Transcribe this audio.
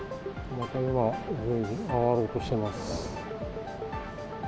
また今、上がろうとしています。